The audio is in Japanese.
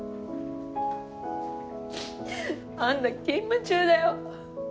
あんた勤務中だよ。